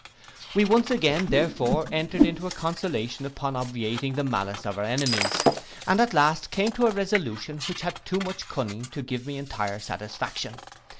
We once again therefore entered into a consultation upon obviating the malice of our enemies, and at last came to a resolution which had too much cunning to give me entire satisfaction.